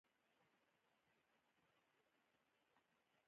د ستا شاعر د خماري ښکلا بلا لیوال دی